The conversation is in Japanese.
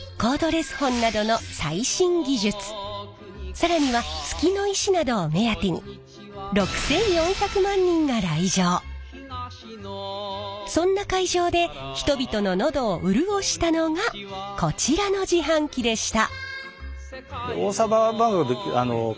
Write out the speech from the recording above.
更には月の石などを目当てにそんな会場で人々の喉を潤したのがこちらの自販機でした。